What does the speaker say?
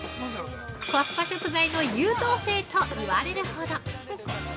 コスパ食材の優等生と言われるほど！